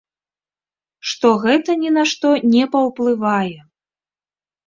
Што гэта ні на што не паўплывае.